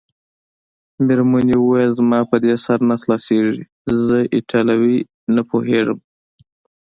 مېرمنې وویل: زما په دې سر نه خلاصیږي، زه ایټالوي نه پوهېږم.